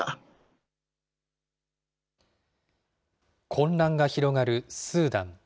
混乱が広がるスーダン。